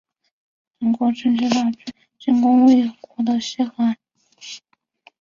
秦国趁机大举的进攻魏国的西河郡。